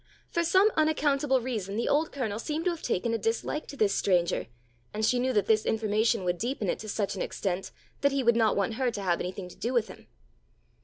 For some unaccountable reason the old Colonel seemed to have taken a dislike to this stranger, and she knew that this information would deepen it to such an extent, that he would not want her to have anything to do with him.